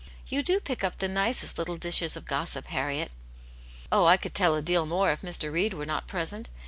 " You do pick up the nicest little dishes of gossip, Harriet." Oh, I could tell a deal more, if Mr. Reed were not present.